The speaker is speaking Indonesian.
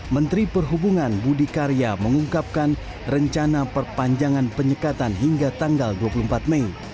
menteri perhubungan budi karya mengungkapkan rencana perpanjangan penyekatan hingga tanggal dua puluh empat mei